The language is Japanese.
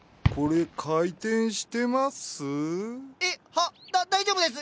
はあだ大丈夫です。